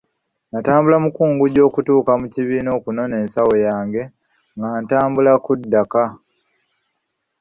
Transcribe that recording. Natambula mukungujjo okutuuka mu kibiina okunona ensawo yange nga ntambula kudda ka.